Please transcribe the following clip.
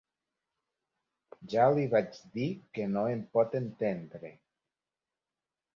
Ja li vaig dir que no em pot entendre.